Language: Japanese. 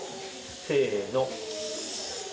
せーの。